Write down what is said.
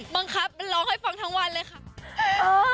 บังคับมันร้องให้ฟังทั้งวันเลยค่ะ